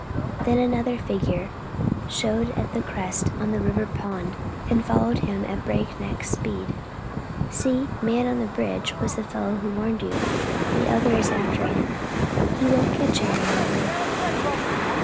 Then another figure showed at the crest on the River Road and followed him at breakneck speed. "See the man on the bridge was the fellow who warned you. The other is after him. He won't catch him, however."